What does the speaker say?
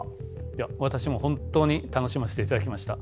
いや私も本当に楽しませて頂きました。